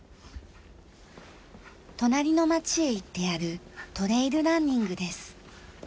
隣の町へ行ってやるトレイルランニングです。